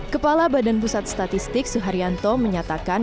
kepala badan pusat statistik suharyanto menyatakan